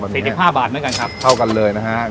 สี่สิบห้าบาทเหมือนกันครับเข้ากันเลยนะฮะครับ